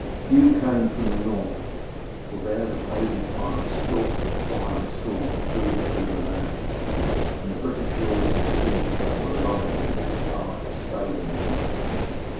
Few came from the north, for there the pagan pirates stalked with fire and sword through and through the land, and the British lords and chiefs that were alive had little power to stay them now.